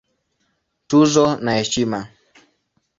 Tuzo na Heshima